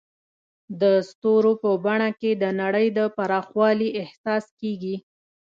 د ستورو په بڼه کې د نړۍ د پراخوالي احساس کېږي.